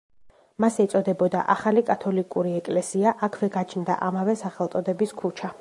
მას ეწოდებოდა ახალი კათოლიკური ეკლესია, აქვე გაჩნდა ამავე სახელწოდების ქუჩა.